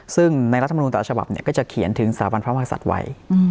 ซึ่งในรัฐมนุนแต่ละฉบับก็จะเขียนถึงสถาบันพระมหาศัตริย์ไว้